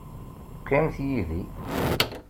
Qqimet yid-i.